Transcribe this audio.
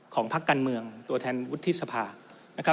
ของพรรคกันเมืองตัวแทนวุฒิสภา